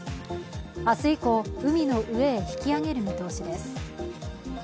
明日以降、海の上へ引きあげる見通しです。